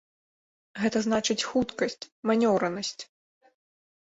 Гэта значыць хуткасць, манеўранасць.